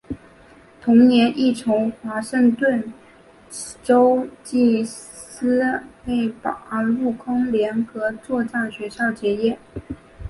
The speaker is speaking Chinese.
同年亦从华盛顿州基斯勒堡陆空联合作战学校结业。